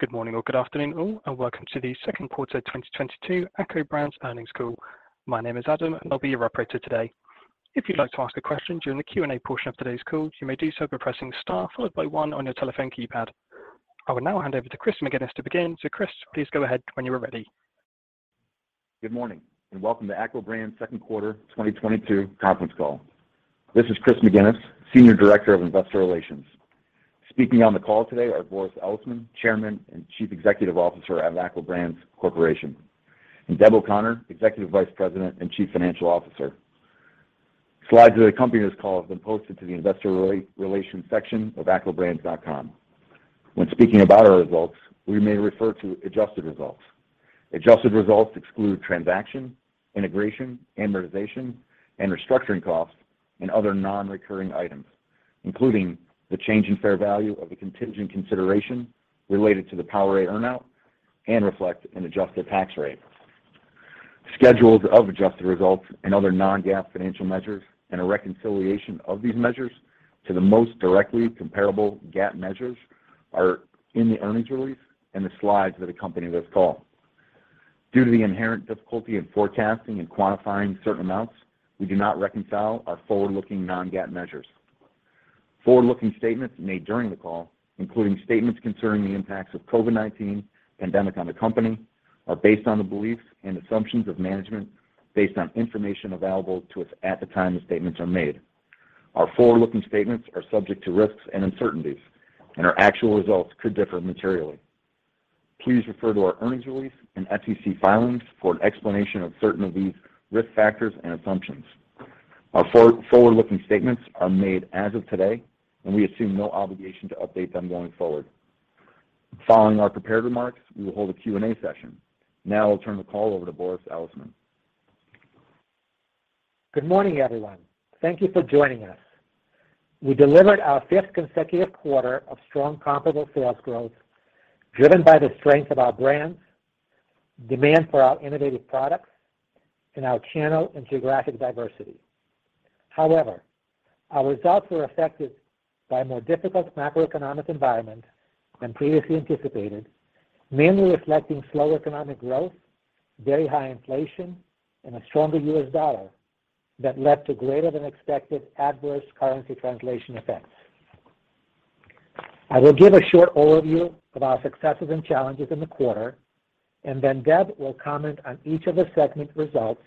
Good morning or good afternoon all, and welcome to the second quarter 2022 ACCO Brands Earnings Call. My name is Adam, and I'll be your operator today. If you'd like to ask a question during the Q&A portion of today's call, you may do so by pressing star followed by one on your telephone keypad. I will now hand over to Chris McGinnis to begin. Chris, please go ahead when you are ready. Good morning, and welcome to ACCO Brands second quarter 2022 conference call. This is Chris McGinnis, Senior Director of Investor Relations. Speaking on the call today are Boris Elisman, Chairman and Chief Executive Officer at ACCO Brands Corporation, and Deb O'Connor, Executive Vice President and Chief Financial Officer. Slides that accompany this call have been posted to the investor relations section of accobrands.com. When speaking about our results, we may refer to adjusted results. Adjusted results exclude transaction, integration, amortization, and restructuring costs and other non-recurring items, including the change in fair value of the contingent consideration related to the PowerA earn-out and reflect an adjusted tax rate. Schedules of adjusted results and other non-GAAP financial measures and a reconciliation of these measures to the most directly comparable GAAP measures are in the earnings release and the slides that accompany this call. Due to the inherent difficulty in forecasting and quantifying certain amounts, we do not reconcile our forward-looking non-GAAP measures. Forward-looking statements made during the call, including statements concerning the impacts of COVID-19 pandemic on the company, are based on the beliefs and assumptions of management based on information available to us at the time the statements are made. Our forward-looking statements are subject to risks and uncertainties, and our actual results could differ materially. Please refer to our earnings release and SEC filings for an explanation of certain of these risk factors and assumptions. Our forward-looking statements are made as of today, and we assume no obligation to update them going forward. Following our prepared remarks, we will hold a Q&A session. Now I'll turn the call over to Boris Elisman. Good morning, everyone. Thank you for joining us. We delivered our fifth consecutive quarter of strong comparable sales growth driven by the strength of our brands, demand for our innovative products, and our channel and geographic diversity. However, our results were affected by a more difficult macroeconomic environment than previously anticipated, mainly reflecting slow economic growth, very high inflation, and a stronger U.S. dollar that led to greater than expected adverse currency translation effects. I will give a short overview of our successes and challenges in the quarter, and then Deb will comment on each of the segment results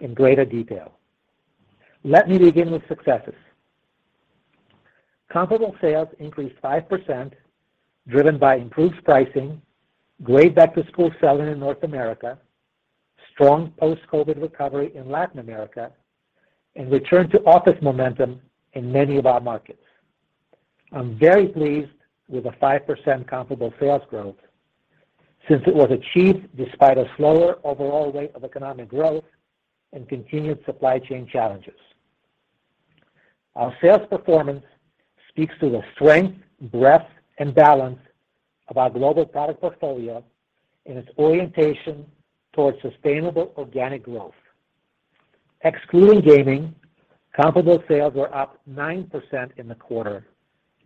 in greater detail. Let me begin with successes. Comparable sales increased 5%, driven by improved pricing, great back-to-school selling in North America, strong post-COVID recovery in Latin America, and return to office momentum in many of our markets. I'm very pleased with the 5% comparable sales growth since it was achieved despite a slower overall rate of economic growth and continued supply chain challenges. Our sales performance speaks to the strength, breadth, and balance of our global product portfolio and its orientation towards sustainable organic growth. Excluding gaming, comparable sales were up 9% in the quarter,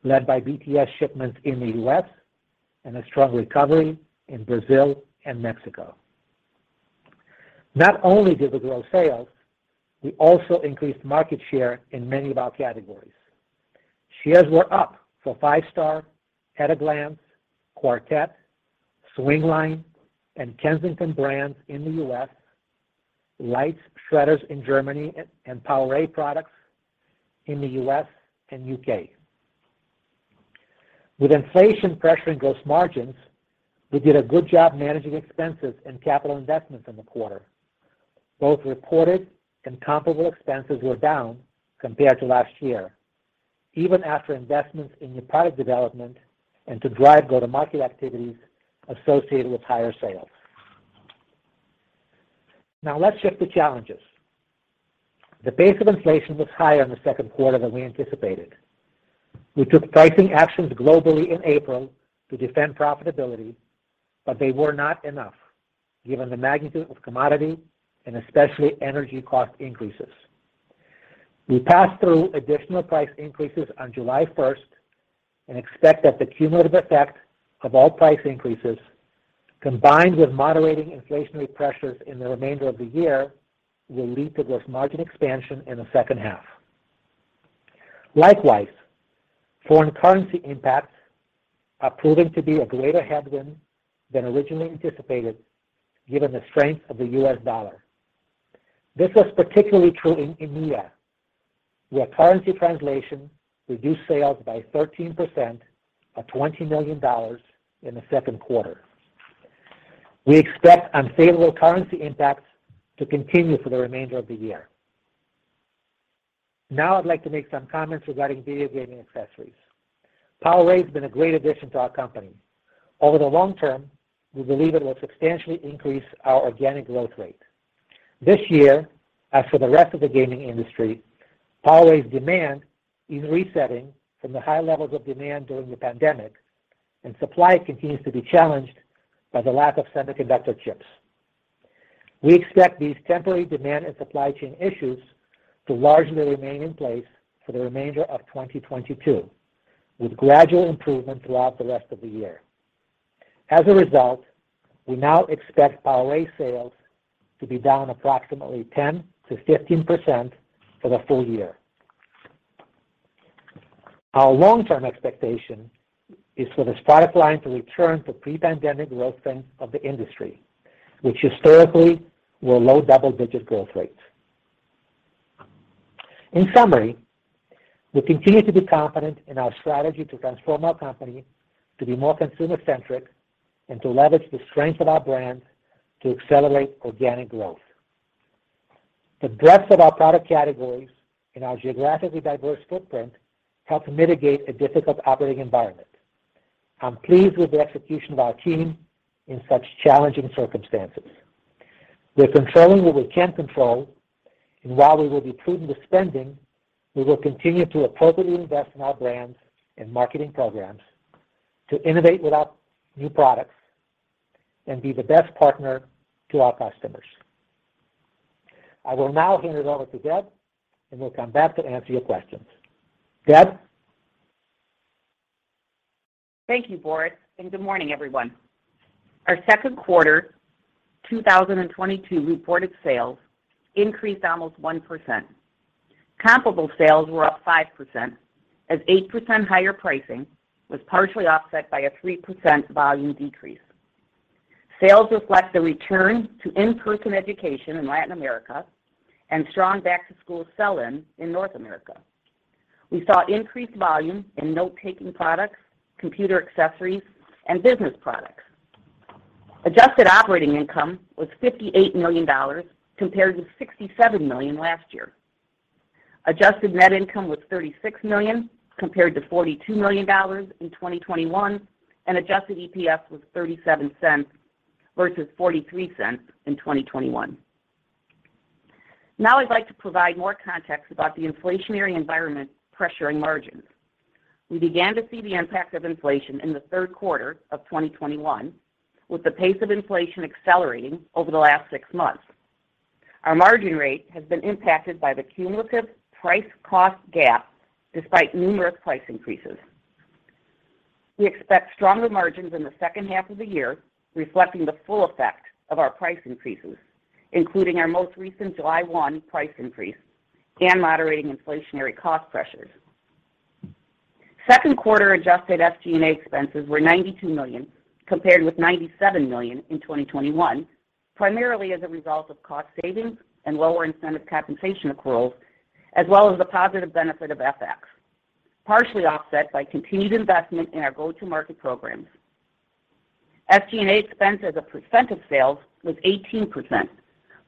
led by BTS shipments in the U.S. and a strong recovery in Brazil and Mexico. Not only did we grow sales, we also increased market share in many of our categories. Shares were up for Five Star, AT-A-GLANCE, Quartet, Swingline, and Kensington brands in the U.S., Leitz shredders in Germany, and PowerA products in the U.S. and U.K. With inflation pressuring gross margins, we did a good job managing expenses and capital investments in the quarter. Both reported and comparable expenses were down compared to last year, even after investments in new product development and to drive go-to-market activities associated with higher sales. Now let's shift to challenges. The pace of inflation was higher in the second quarter than we anticipated. We took pricing actions globally in April to defend profitability, but they were not enough given the magnitude of commodity and especially energy cost increases. We passed through additional price increases on July first and expect that the cumulative effect of all price increases, combined with moderating inflationary pressures in the remainder of the year, will lead to gross margin expansion in the second half. Likewise, foreign currency impacts are proving to be a greater headwind than originally anticipated, given the strength of the U.S. dollar. This was particularly true in EMEA, where currency translation reduced sales by 13% or $20 million in the second quarter. We expect unfavorable currency impacts to continue for the remainder of the year. Now I'd like to make some comments regarding video gaming accessories. PowerA has been a great addition to our company. Over the long term, we believe it will substantially increase our organic growth rate. This year, as for the rest of the gaming industry, PowerA's demand is resetting from the high levels of demand during the pandemic and supply continues to be challenged by the lack of semiconductor chips. We expect these temporary demand and supply chain issues to largely remain in place for the remainder of 2022, with gradual improvement throughout the rest of the year. As a result, we now expect PowerA sales to be down approximately 10%-15% for the full year. Our long-term expectation is for the supply chain to return to pre-pandemic growth trends of the industry, which historically were low double-digit growth rates. In summary, we continue to be confident in our strategy to transform our company to be more consumer-centric and to leverage the strength of our brands to accelerate organic growth. The breadth of our product categories and our geographically diverse footprint help to mitigate a difficult operating environment. I'm pleased with the execution of our team in such challenging circumstances. We're controlling what we can control, and while we will be prudent with spending, we will continue to appropriately invest in our brands and marketing programs to innovate with our new products and be the best partner to our customers. I will now hand it over to Deb, and we'll come back to answer your questions. Deb? Thank you, Boris, and good morning, everyone. Our second quarter 2022 reported sales increased almost 1%. Comparable sales were up 5% as 8% higher pricing was partially offset by a 3% volume decrease. Sales reflect a return to in-person education in Latin America and strong back-to-school sell-in in North America. We saw increased volume in note-taking products, computer accessories, and business products. Adjusted operating income was $58 million compared to $67 million last year. Adjusted net income was $36 million compared to $42 million in 2021, and adjusted EPS was $0.37 versus $0.43 in 2021. Now I'd like to provide more context about the inflationary environment pressuring margins. We began to see the impact of inflation in the third quarter of 2021, with the pace of inflation accelerating over the last six months. Our margin rate has been impacted by the cumulative price cost gap despite numerous price increases. We expect stronger margins in the second half of the year, reflecting the full effect of our price increases, including our most recent July 1 price increase and moderating inflationary cost pressures. Second quarter adjusted SG&A expenses were $92 million compared with $97 million in 2021, primarily as a result of cost savings and lower incentive compensation accruals, as well as the positive benefit of FX, partially offset by continued investment in our go-to-market programs. SG&A expense as a percent of sales was 18%,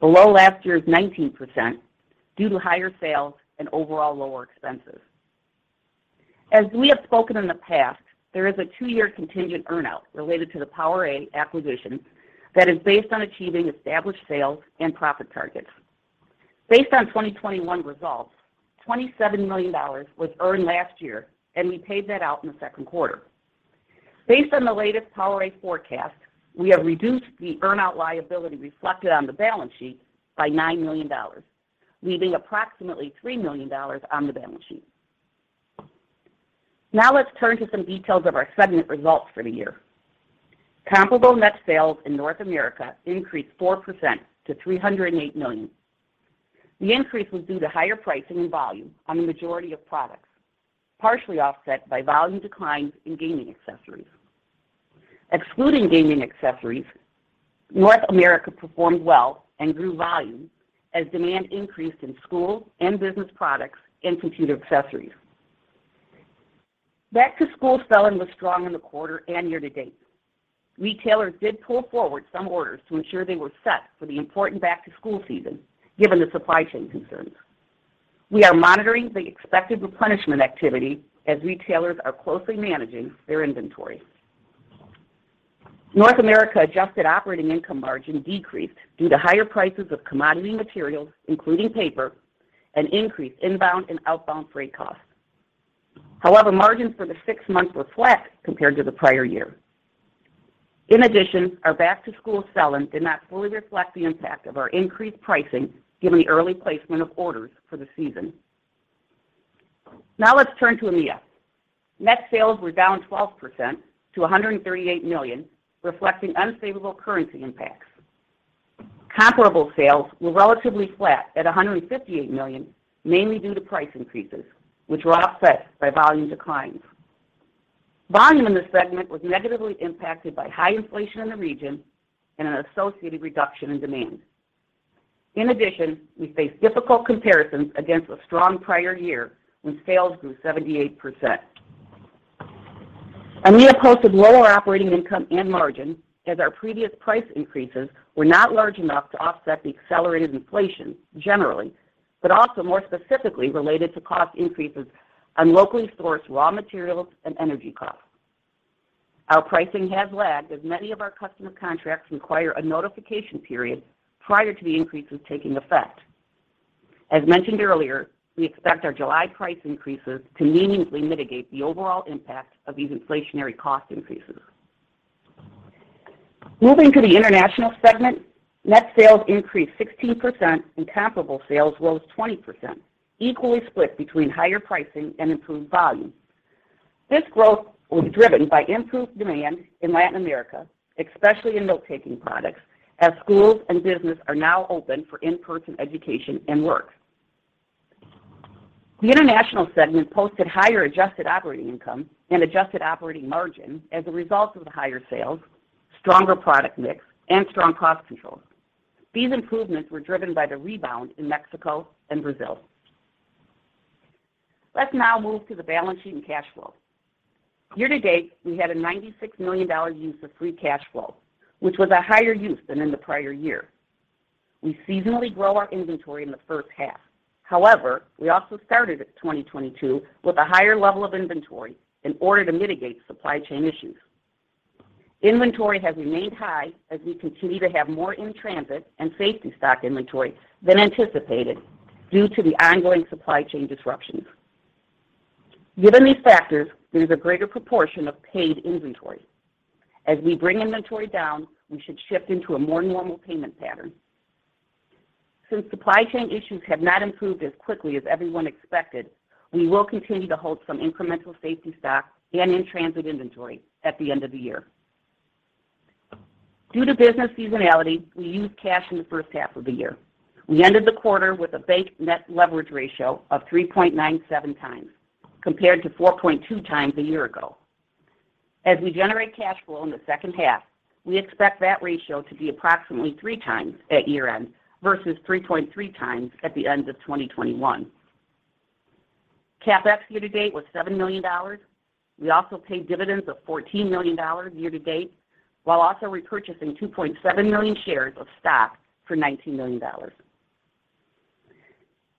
below last year's 19% due to higher sales and overall lower expenses. As we have spoken in the past, there is a 2-year contingent earn-out related to the PowerA acquisition that is based on achieving established sales and profit targets. Based on 2021 results, $27 million was earned last year, and we paid that out in the second quarter. Based on the latest PowerA forecast, we have reduced the earn-out liability reflected on the balance sheet by $9 million, leaving approximately $3 million on the balance sheet. Now let's turn to some details of our segment results for the year. Comparable net sales in North America increased 4% to $308 million. The increase was due to higher pricing and volume on the majority of products, partially offset by volume declines in gaming accessories. Excluding gaming accessories, North America performed well and grew volume as demand increased in school and business products and computer accessories. Back-to-school sell-in was strong in the quarter and year to date. Retailers did pull forward some orders to ensure they were set for the important back-to-school season, given the supply chain concerns. We are monitoring the expected replenishment activity as retailers are closely managing their inventory. North America adjusted operating income margin decreased due to higher prices of commodity materials, including paper, and increased inbound and outbound freight costs. However, margins for the six months were flat compared to the prior year. In addition, our back-to-school sell-in did not fully reflect the impact of our increased pricing, given the early placement of orders for the season. Now let's turn to EMEA. Net sales were down 12% to $138 million, reflecting unfavorable currency impacts. Comparable sales were relatively flat at $158 million, mainly due to price increases, which were offset by volume declines. Volume in this segment was negatively impacted by high inflation in the region and an associated reduction in demand. In addition, we faced difficult comparisons against a strong prior year when sales grew 78%. EMEA posted lower operating income and margin as our previous price increases were not large enough to offset the accelerated inflation generally, but also more specifically related to cost increases on locally sourced raw materials and energy costs. Our pricing has lagged as many of our customer contracts require a notification period prior to the increases taking effect. As mentioned earlier, we expect our July price increases to meaningfully mitigate the overall impact of these inflationary cost increases. Moving to the international segment, net sales increased 16% and comparable sales rose 20%, equally split between higher pricing and improved volume. This growth was driven by improved demand in Latin America, especially in note-taking products, as schools and business are now open for in-person education and work. The international segment posted higher adjusted operating income and adjusted operating margin as a result of the higher sales, stronger product mix, and strong cost control. These improvements were driven by the rebound in Mexico and Brazil. Let's now move to the balance sheet and cash flow. Year-to-date, we had a $96 million use of free cash flow, which was a higher use than in the prior year. We seasonally grow our inventory in the first half. However, we also started at 2022 with a higher level of inventory in order to mitigate supply chain issues. Inventory has remained high as we continue to have more in-transit and safety stock inventory than anticipated due to the ongoing supply chain disruptions. Given these factors, there's a greater proportion of paid inventory. As we bring inventory down, we should shift into a more normal payment pattern. Since supply chain issues have not improved as quickly as everyone expected, we will continue to hold some incremental safety stock and in-transit inventory at the end of the year. Due to business seasonality, we use cash in the first half of the year. We ended the quarter with a bank net leverage ratio of 3.97 times, compared to 4.2 times a year ago. As we generate cash flow in the second half, we expect that ratio to be approximately 3 times at year-end versus 3.3 times at the end of 2021. CapEx year-to-date was $7 million. We also paid dividends of $14 million year-to-date, while also repurchasing 2.7 million shares of stock for $19 million.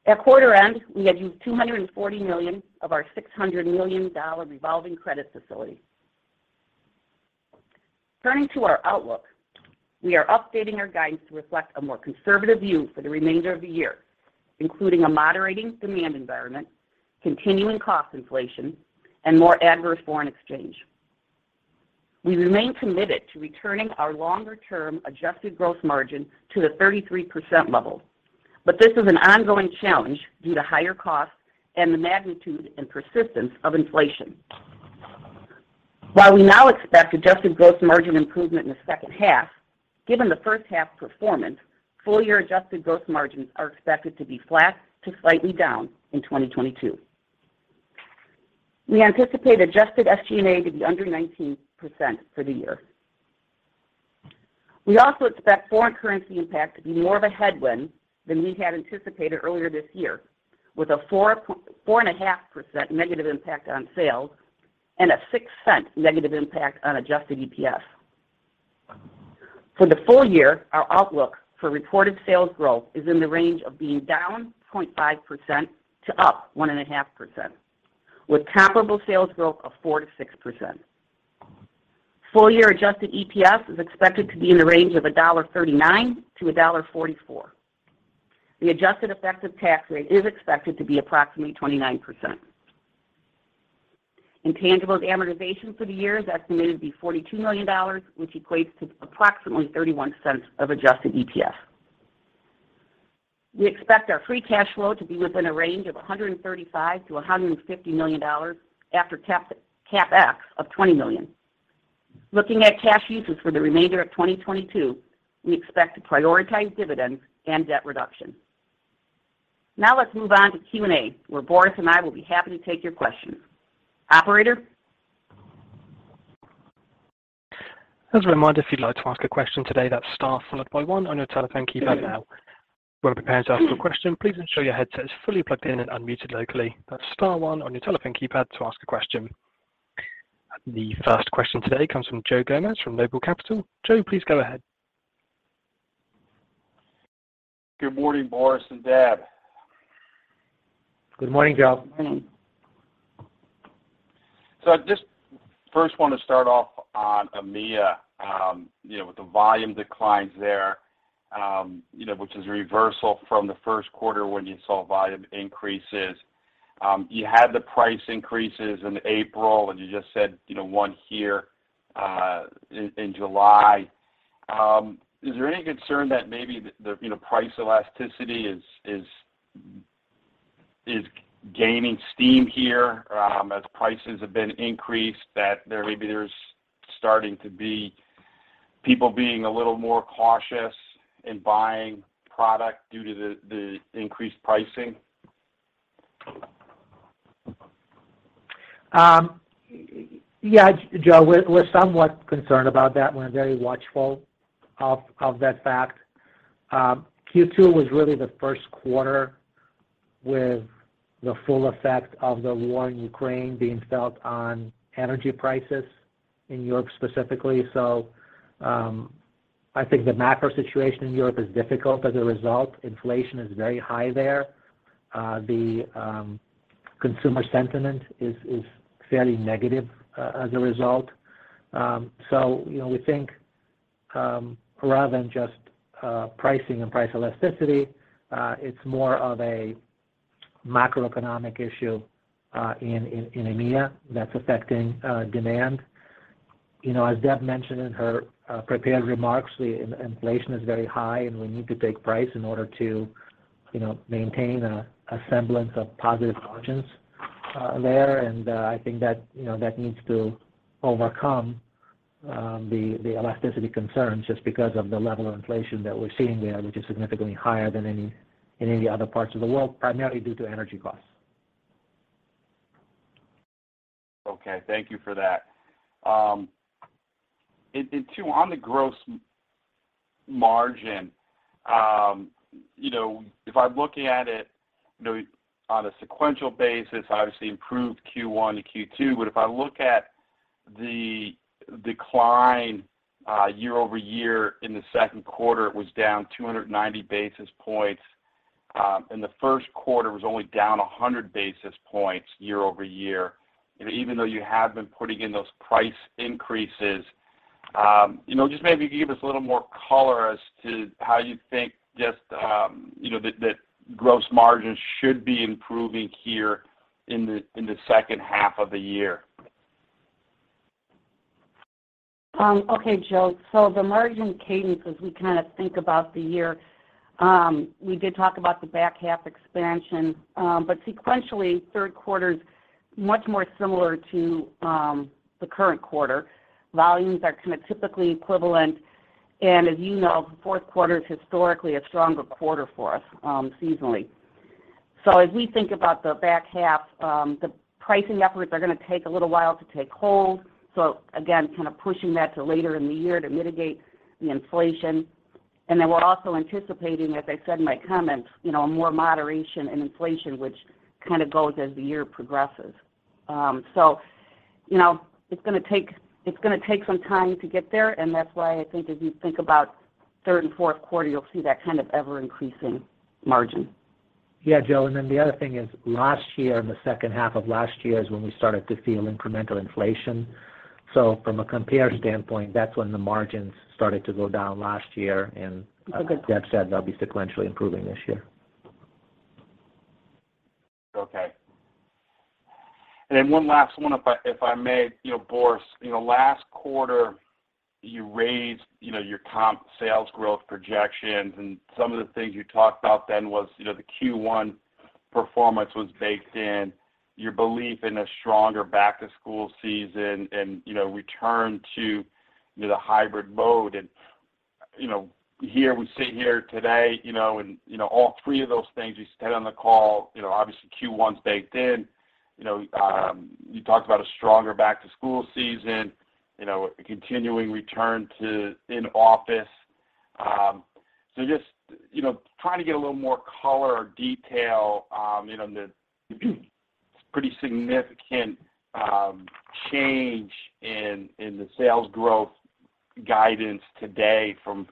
At quarter end, we had used $240 million of our $600 million revolving credit facility. Turning to our outlook, we are updating our guidance to reflect a more conservative view for the remainder of the year, including a moderating demand environment, continuing cost inflation, and more adverse foreign exchange. We remain committed to returning our longer-term adjusted gross margin to the 33% level, but this is an ongoing challenge due to higher costs and the magnitude and persistence of inflation. While we now expect adjusted gross margin improvement in the second half, given the first half performance, full-year adjusted gross margins are expected to be flat to slightly down in 2022. We anticipate adjusted SG&A to be under 19% for the year. We also expect foreign currency impact to be more of a headwind than we had anticipated earlier this year with a 4.5% negative impact on sales and a $0.06 negative impact on adjusted EPS. For the full year, our outlook for reported sales growth is in the range of being down 0.5% to up 1.5%, with comparable sales growth of 4%-6%. Full-year adjusted EPS is expected to be in the range of $1.39-$1.44. The adjusted effective tax rate is expected to be approximately 29%. Intangibles amortization for the year is estimated to be $42 million, which equates to approximately $0.31 of adjusted EPS. We expect our free cash flow to be within a range of $135 million-$150 million after CapEx of $20 million. Looking at cash uses for the remainder of 2022, we expect to prioritize dividends and debt reduction. Now let's move on to Q&A, where Boris and I will be happy to take your questions. Operator? As a reminder, if you'd like to ask a question today, that's star followed by one on your telephone keypad now. When preparing to ask your question, please ensure your headset is fully plugged in and unmuted locally. That's star one on your telephone keypad to ask a question. The first question today comes from Joe Gomes from Noble Capital. Joe, please go ahead. Good morning, Boris and Deb. Good morning, Joe. I just first wanna start off on EMEA, you know, with the volume declines there, you know, which is a reversal from the first quarter when you saw volume increases. You had the price increases in April, and you just said, you know, another in July. Is there any concern that maybe the, you know, price elasticity is gaining steam here, as prices have been increased, that there maybe there's starting to be people being a little more cautious in buying product due to the increased pricing? Yeah, Joe, we're somewhat concerned about that. We're very watchful of that fact. Q2 was really the first quarter with the full effect of the war in Ukraine being felt on energy prices in Europe specifically. I think the macro situation in Europe is difficult as a result. Inflation is very high there. The consumer sentiment is fairly negative as a result. You know, we think Rather than just pricing and price elasticity, it's more of a macroeconomic issue in EMEA that's affecting demand. You know, as Deb mentioned in her prepared remarks, the inflation is very high, and we need to take price in order to, you know, maintain a semblance of positive margins there. I think that, you know, that needs to overcome the elasticity concerns just because of the level of inflation that we're seeing there, which is significantly higher than in any other parts of the world, primarily due to energy costs. Okay, thank you for that. And two, on the gross margin, you know, if I'm looking at it, you know, on a sequential basis, obviously improved Q1 to Q2, but if I look at the decline, year-over-year in the second quarter, it was down 290 basis points. In the first quarter it was only down 100 basis points year-over-year. Even though you have been putting in those price increases, you know, just maybe give us a little more color as to how you think just, you know, the gross margin should be improving here in the second half of the year. Okay, Joe. The margin cadence, as we kind of think about the year, we did talk about the back half expansion. Sequentially, third quarter's much more similar to the current quarter. Volumes are kind of typically equivalent, and as you know, fourth quarter is historically a stronger quarter for us, seasonally. As we think about the back half, the pricing efforts are gonna take a little while to take hold, so again, kind of pushing that to later in the year to mitigate the inflation. Then we're also anticipating, as I said in my comments, you know, more moderation in inflation, which kind of goes as the year progresses. You know, it's gonna take some time to get there, and that's why I think as you think about third and fourth quarter, you'll see that kind of ever-increasing margin. Yeah, Joe, then the other thing is last year, in the second half of last year is when we started to feel incremental inflation. From a comp standpoint, that's when the margins started to go down last year. Okay. As Deb said, they'll be sequentially improving this year. Okay. Then one last one, if I may. You know, Boris, you know, last quarter you raised, you know, your comp sales growth projections, and some of the things you talked about then was, you know, the Q1 performance was baked in, your belief in a stronger back to school season and, you know, return to, you know, the hybrid mode. You know, here we sit here today, you know, and, you know, all three of those things you said on the call, you know, obviously Q1's baked in. You know, you talked about a stronger back to school season, you know, a continuing return to in-office. So just, you know, trying to get a little more color or detail, you know, on the pretty significant, change in the sales growth guidance today from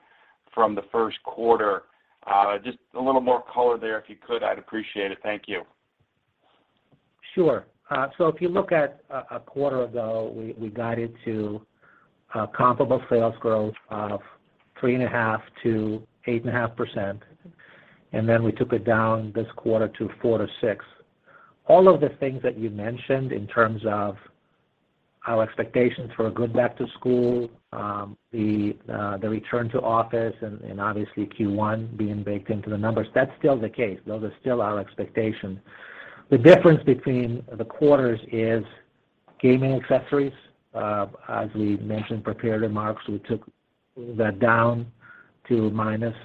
the first quarter. Just a little more color there, if you could, I'd appreciate it. Thank you. Sure. If you look at a quarter ago, we guided to comparable sales growth of 3.5%-8.5%, and then we took it down this quarter to 4%-6%. All of the things that you mentioned in terms of our expectations for a good back to school, the return to office and obviously Q1 being baked into the numbers, that's still the case. Those are still our expectations. The difference between the quarters is gaming accessories. As we mentioned in prepared remarks, we took that down to minus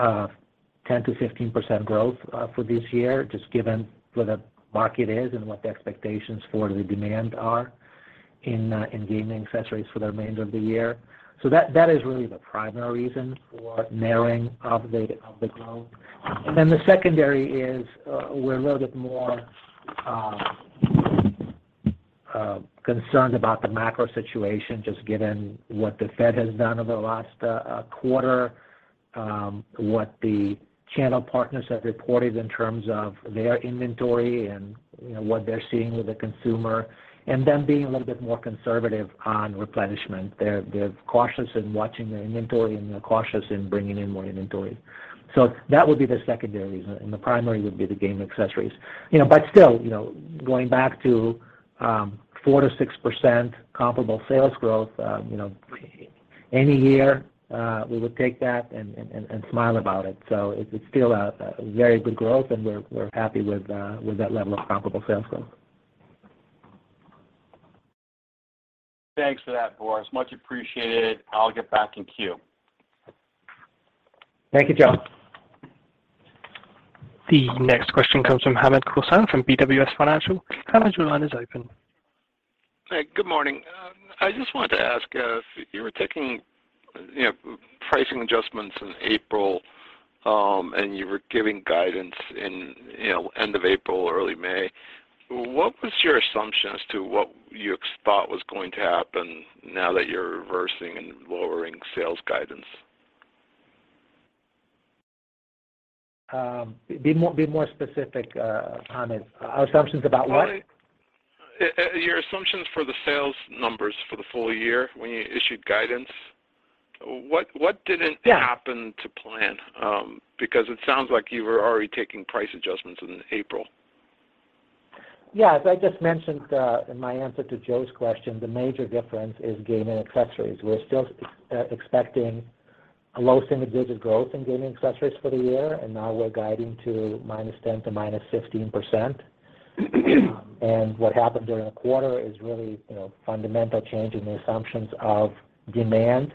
10%-15% growth for this year, just given where the market is and what the expectations for the demand are in gaming accessories for the remainder of the year. That is really the primary reason for narrowing of the growth. The secondary is we're a little bit more concerned about the macro situation, just given what the Fed has done over the last quarter, what the channel partners have reported in terms of their inventory and, you know, what they're seeing with the consumer. Them being a little bit more conservative on replenishment. They're cautious in watching their inventory, and they're cautious in bringing in more inventory. That would be the secondary reason, and the primary would be the gaming accessories. You know, but still, you know, going back to 4%-6% comparable sales growth, you know, any year, we would take that and smile about it. It's still a very good growth and we're happy with that level of comparable sales growth. Thanks for that, Boris. Much appreciated. I'll get back in queue. Thank you, Joe. The next question comes from Hamed Khorsand from BWS Financial. Hamed, your line is open. Hey, good morning. I just wanted to ask, you were taking, you know, pricing adjustments in April, and you were giving guidance in, you know, end of April, early May. What was your assumption as to what you thought was going to happen now that you're reversing and lowering sales guidance? Be more specific, Hamed. Our assumptions about what? Your assumptions for the sales numbers for the full year when you issued guidance. What didn't- Yeah Happen to plan? Because it sounds like you were already taking price adjustments in April. Yeah. As I just mentioned in my answer to Joe's question, the major difference is gaming accessories. We're still expecting a low single-digit growth in gaming accessories for the year, and now we're guiding to -10% to -15%. What happened during the quarter is really fundamental change in the assumptions of demand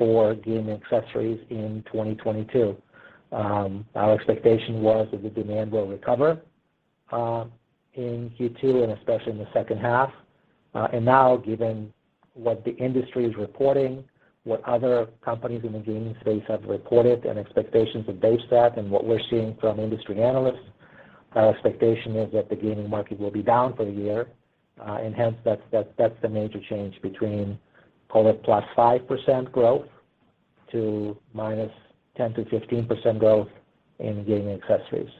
for gaming accessories in 2022. Our expectation was that the demand will recover in Q2 and especially in the second half. Now, given what the industry is reporting, what other companies in the gaming space have reported and expectations based on that, and what we're seeing from industry analysts, our expectation is that the gaming market will be down for the year. Hence that's the major change between, call it, +5% growth to -10%-15% growth in gaming accessories.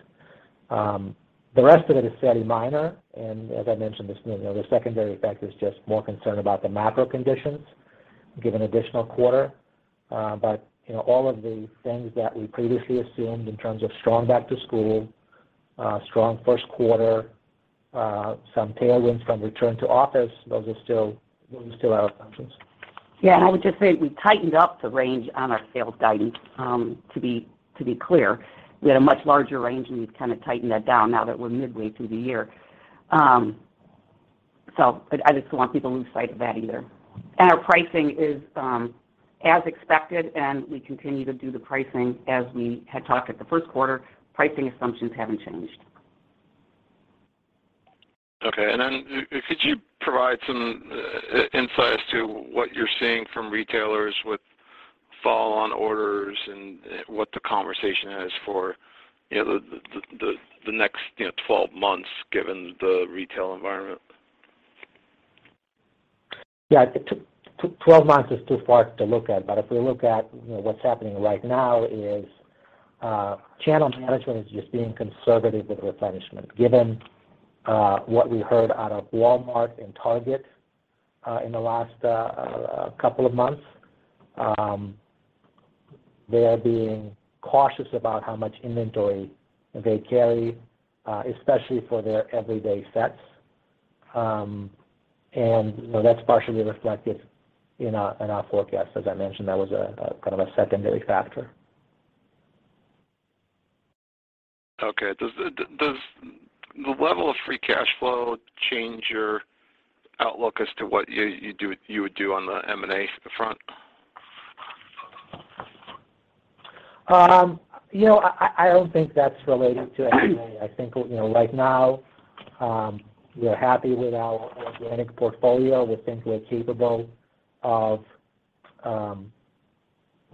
The rest of it is fairly minor, and as I mentioned, you know, the secondary effect is just more concerned about the macro conditions, given additional quarter. You know, all of the things that we previously assumed in terms of strong back-to-school, strong first quarter, some tailwinds from return to office, those are still our assumptions. Yeah. I would just say we tightened up the range on our sales guidance, to be clear. We had a much larger range, and we've kinda tightened that down now that we're midway through the year. I just don't want people to lose sight of that either. Our pricing is, as expected, and we continue to do the pricing as we had talked at the first quarter. Pricing assumptions haven't changed. Okay. Could you provide some insight as to what you're seeing from retailers with fall orders and what the conversation is for, you know, the next 12 months, given the retail environment? Yeah. 12 months is too far to look at. If we look at, you know, what's happening right now is, channel management is just being conservative with replenishment. Given what we heard out of Walmart and Target in the last couple of months, they are being cautious about how much inventory they carry, especially for their everyday sets. That's partially reflected in our forecast. As I mentioned, that was kind of a secondary factor. Okay. Does the level of free cash flow change your outlook as to what you would do on the M&A front? You know, I don't think that's related to M&A. I think, you know, right now, we're happy with our organic portfolio. We think we're capable of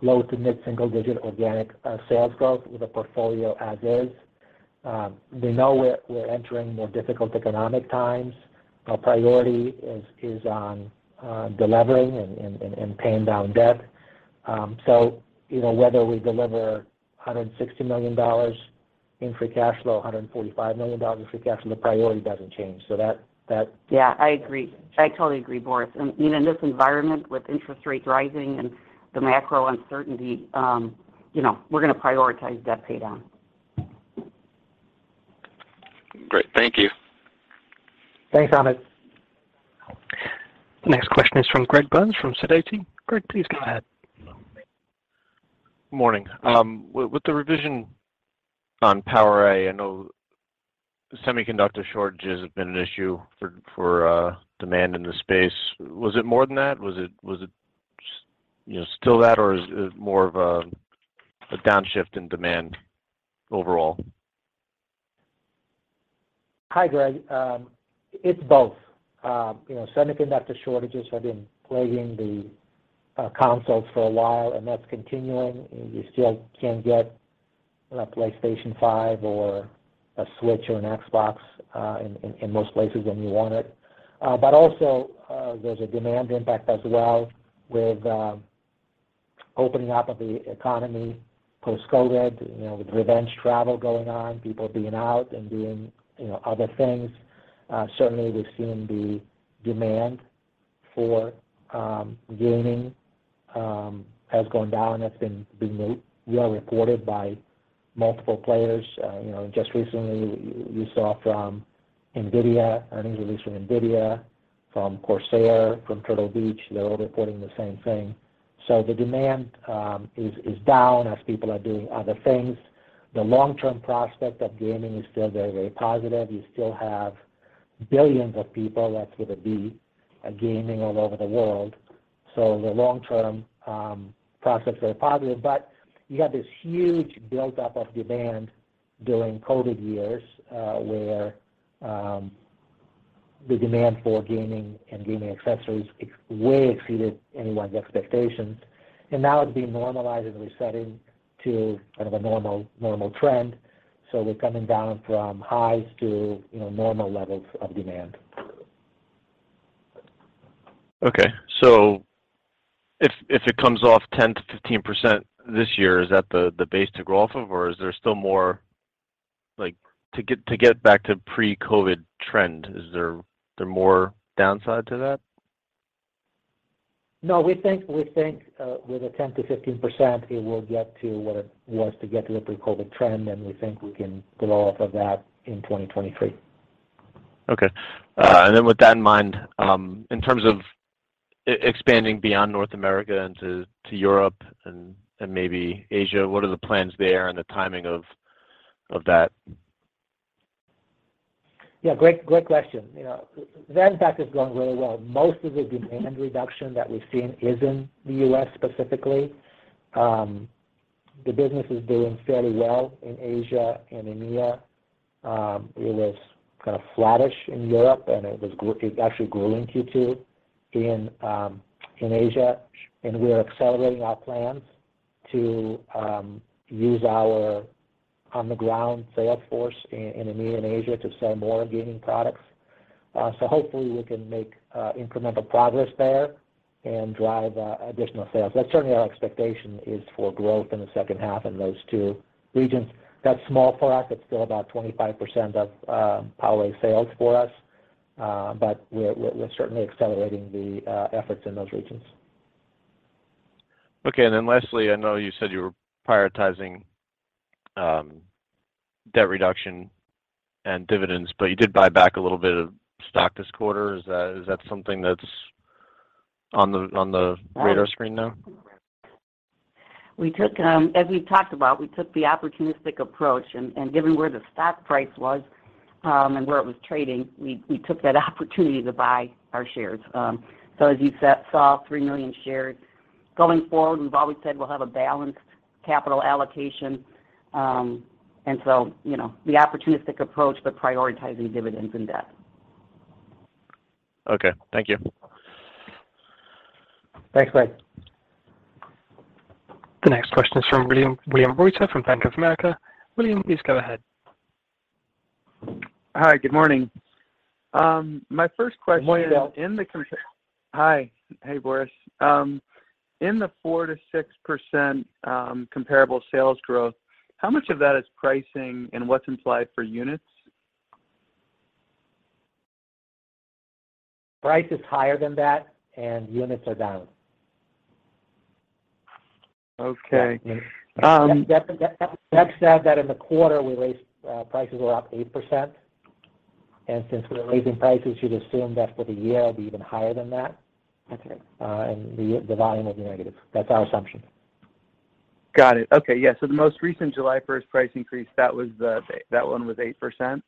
low- to mid-single-digit organic sales growth with the portfolio as is. We know we're entering more difficult economic times. Our priority is on delivering and paying down debt. So, you know, whether we deliver $160 million in free cash flow, $145 million in free cash flow, the priority doesn't change. Yeah, I agree. I totally agree, Boris. In this environment, with interest rates rising and the macro uncertainty, you know, we're gonna prioritize debt pay down. Great. Thank you. Thanks, Hamed Khorsand. Next question is from Greg Burns from Sidoti. Greg, please go ahead. Morning. With the revision on PowerA, I know semiconductor shortages have been an issue for demand in the space. Was it more than that? Was it, you know, still that, or is it more of a downshift in demand overall? Hi, Greg. It's both. You know, semiconductor shortages have been plaguing the consoles for a while, and that's continuing. You still can't get a PlayStation 5 or a Switch or an Xbox in most places when you want it. Also, there's a demand impact as well with opening up of the economy post-COVID, you know, with revenge travel going on, people being out and doing, you know, other things. Certainly we've seen the demand for gaming has gone down. That's been well reported by multiple players. You know, just recently you saw from NVIDIA, earnings release from NVIDIA, from Corsair, from Turtle Beach, they're all reporting the same thing. The demand is down as people are doing other things. The long-term prospect of gaming is still very, very positive. You still have billions of people, that's with a B, gaming all over the world. The long-term prospects are positive, but you have this huge buildup of demand during COVID years, where the demand for gaming and gaming accessories way exceeded anyone's expectations. Now it's being normalized and resetting to kind of a normal trend. We're coming down from highs to, you know, normal levels of demand. Okay. If it comes off 10%-15% this year, is that the base to grow off of? Or is there still more like to get back to pre-COVID trend, is there more downside to that? No, we think with the 10%-15% it will get to what it was to get to a pre-COVID trend, and we think we can grow off of that in 2023. With that in mind, in terms of expanding beyond North America to Europe and maybe Asia, what are the plans there and the timing of that? Yeah. Great question. You know, PowerA is going really well. Most of the demand reduction that we've seen is in the U.S. specifically. The business is doing fairly well in Asia and EMEA. It was kind of flattish in Europe, and It's actually growing Q2 in Asia. We are accelerating our plans to use our on the ground sales force in EMEA and Asia to sell more gaming products. So hopefully we can make incremental progress there and drive additional sales. That's certainly our expectation is for growth in the second half in those two regions. That's small for us. It's still about 25% of PowerA sales for us. But we're certainly accelerating the efforts in those regions. Okay. Lastly, I know you said you were prioritizing debt reduction and dividends, but you did buy back a little bit of stock this quarter. Is that something that's on the Right radar screen now? We took, as we've talked about, the opportunistic approach and given where the stock price was, and where it was trading, we took that opportunity to buy our shares. As you saw, 3 million shares. Going forward, we've always said we'll have a balanced capital allocation. You know, the opportunistic approach, but prioritizing dividends and debt. Okay, thank you. Thanks, Greg. The next question is from William Reuter from Bank of America. William, please go ahead. Hi. Good morning. My first question. Good morning, William. Hi. Hey, Boris. In the 4%-6% comparable sales growth, how much of that is pricing and what's implied for units? Price is higher than that and units are down. Okay. Beck said that in the quarter we raised prices were up 8%. Since we're raising prices, you'd assume that for the year it would be even higher than that. That's right. The volume will be negative. That's our assumption. Got it. Okay. Yeah. The most recent July first price increase, that one was 8%?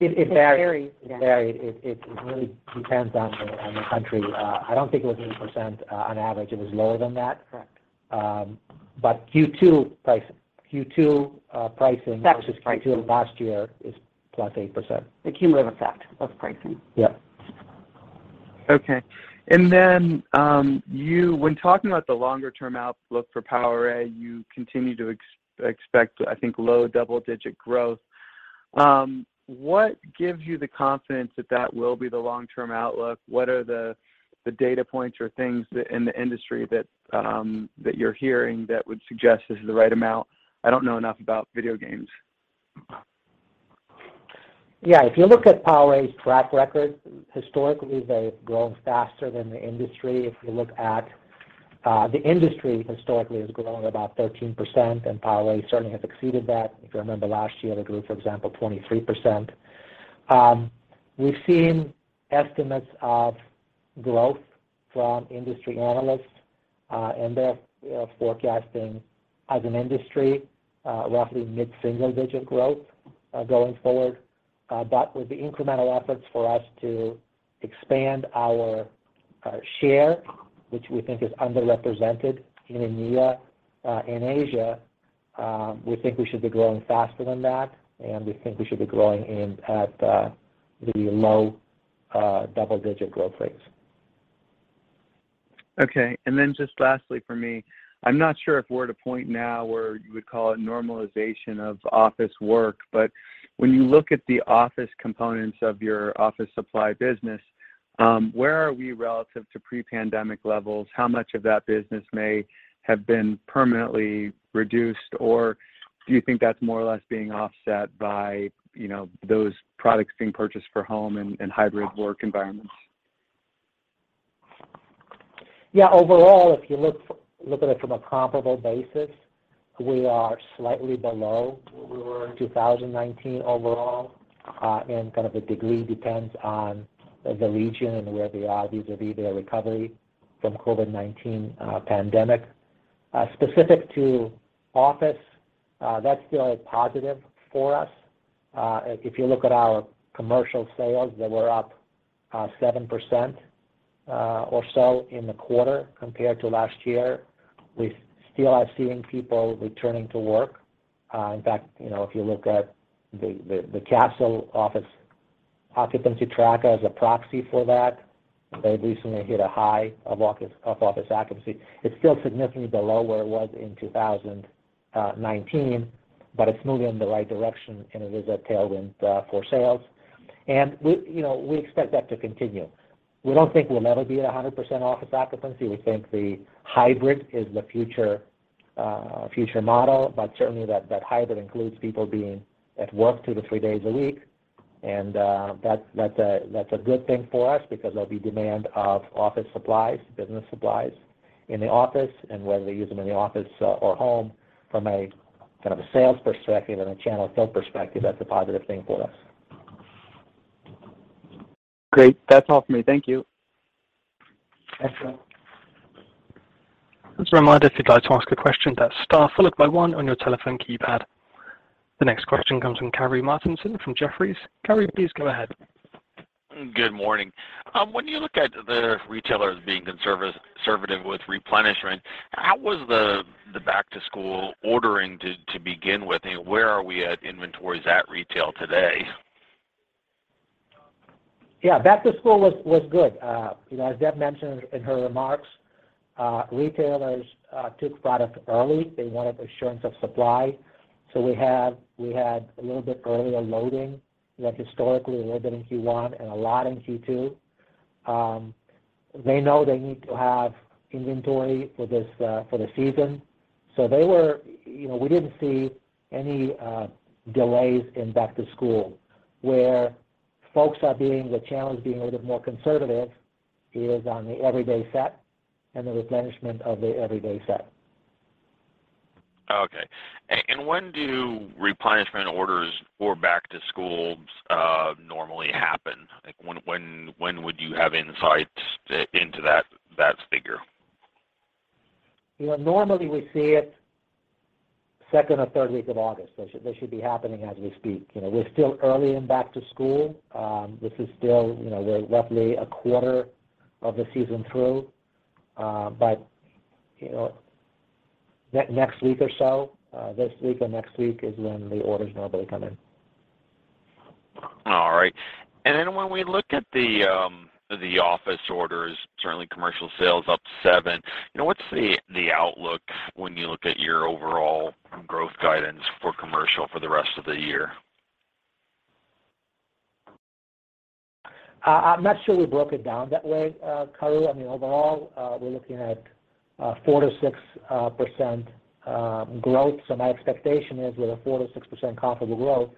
It varies. It varies. Yeah. It varies. It really depends on the country. I don't think it was 8% on average. It was lower than that. Correct. Q2 pricing. That was the pricing. versus Q2 of last year is +8%. The cumulative effect of pricing. Yeah. Okay. When talking about the longer term outlook for PowerA, you continue to expect, I think, low double digit growth. What gives you the confidence that that will be the long-term outlook? What are the data points or things in the industry that you're hearing that would suggest this is the right amount? I don't know enough about video games. Yeah. If you look at PowerA's track record, historically, they've grown faster than the industry. If you look at the industry historically has grown about 13%, and PowerA certainly has exceeded that. If you remember last year, it grew, for example, 23%. We've seen estimates of growth from industry analysts, and they're forecasting as an industry, roughly mid-single-digit growth, going forward. But with the incremental efforts for us to expand our share, which we think is underrepresented in EMEA, in Asia, we think we should be growing faster than that, and we think we should be growing in at the low double-digit growth rates. Okay. Just lastly for me. I'm not sure if we're at a point now where you would call it normalization of office work, but when you look at the office components of your office supply business, where are we relative to pre-pandemic levels? How much of that business may have been permanently reduced, or do you think that's more or less being offset by, you know, those products being purchased for home and hybrid work environments? Yeah. Overall, if you look at it from a comparable basis, we are slightly below where we were in 2019 overall. Kind of the degree depends on the region and where they are vis-à-vis their recovery from COVID-19 pandemic. Specific to office, that's still a positive for us. If you look at our commercial sales, they were up 7% or so in the quarter compared to last year. We still are seeing people returning to work. In fact, you know, if you look at the Kastle office occupancy tracker as a proxy for that. They recently hit a high of office occupancy. It's still significantly below where it was in 2019, but it's moving in the right direction, and it is a tailwind for sales. We, you know, we expect that to continue. We don't think we'll never be at 100% office occupancy. We think the hybrid is the future model, but certainly that hybrid includes people being at work 2-3 days a week. That's a good thing for us because there'll be demand of office supplies, business supplies in the office, and whether they use them in the office or home from a kind of a sales perspective and a channel fill perspective, that's a positive thing for us. Great. That's all for me. Thank you. Excellent. Just a reminder, if you'd like to ask a question, that's star followed by one on your telephone keypad. The next question comes from Karru Martinson from Jefferies. Karru, please go ahead. Good morning. When you look at the retailers being conservative with replenishment, how was the back to school ordering to begin with? Where are we at on inventories at retail today? Yeah, back to school was good. You know, as Deb mentioned in her remarks, retailers took product early. They wanted assurance of supply. We had a little bit earlier loading that historically loaded in Q1 and a lot in Q2. They know they need to have inventory for this, for the season. You know, we didn't see any delays in back to school. The challenge is folks being a little more conservative on the everyday set and the replenishment of the everyday set. When do replenishment orders for back to school normally happen? Like when would you have insights into that figure? You know, normally we see it second or third week of August. They should be happening as we speak. You know, we're still early in back to school. This is still, you know, roughly a quarter of the season through. You know, next week or so, this week or next week is when the orders normally come in. All right. When we look at the office orders, certainly commercial sales up 7%. You know, what's the outlook when you look at your overall growth guidance for commercial for the rest of the year? I'm not sure we broke it down that way, Karru. I mean, overall, we're looking at 4%-6% growth. My expectation is with a 4%-6% comparable growth,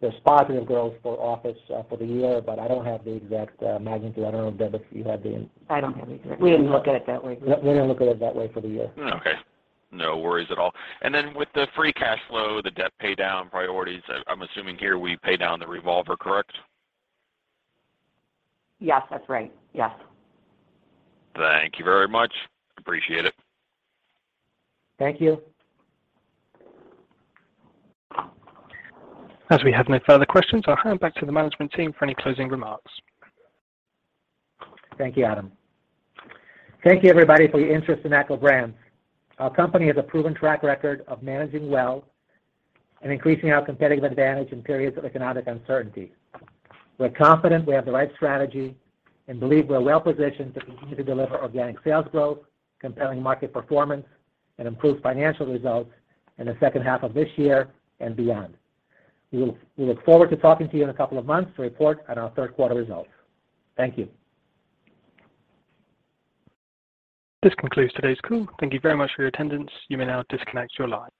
there's positive growth for office for the year, but I don't have the exact magnitude. I don't know, Deb, if you have the- I don't have it. We didn't look at it that way. We didn't look at it that way for the year. Okay. No worries at all. Then with the free cash flow, the debt pay down priorities, I'm assuming here we pay down the revolver, correct? Yes, that's right. Yes. Thank you very much. Appreciate it. Thank you. As we have no further questions, I'll hand back to the management team for any closing remarks. Thank you, Adam. Thank you, everybody, for your interest in ACCO Brands. Our company has a proven track record of managing well and increasing our competitive advantage in periods of economic uncertainty. We're confident we have the right strategy and believe we're well positioned to continue to deliver organic sales growth, compelling market performance, and improved financial results in the second half of this year and beyond. We look forward to talking to you in a couple of months to report on our third quarter results. Thank you. This concludes today's call. Thank you very much for your attendance. You may now disconnect your line.